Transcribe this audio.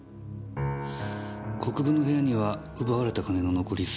国分の部屋には奪われた金の残り１５００万